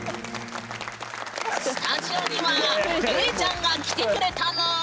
スタジオにはルエちゃんが来てくれたぬん。